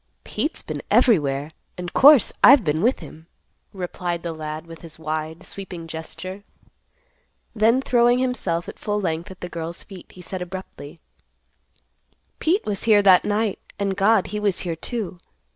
"Pete's been everywhere; an' course I've been with him," replied the lad with his wide, sweeping gesture. Then throwing himself at full length at the girl's feet, he said, abruptly, "Pete was here that night, and God, he was here, too.